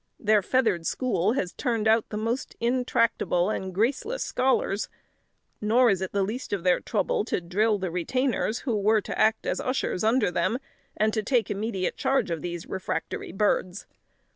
Their feathered school has turned out the most intractable and graceless scholars; nor is it the least of their trouble to drill the retainers who were to act as ushers under them, and to take immediate charge of these refractory birds.